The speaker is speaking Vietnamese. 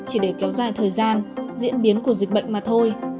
chỉ để kéo dài thời gian diễn biến của dịch bệnh mà thôi